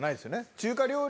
中華料理。